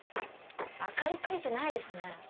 明かりついてないですね